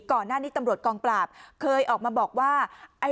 ก่อนหน้านี้ตำรวจกองปราบเคยออกมาบอกว่า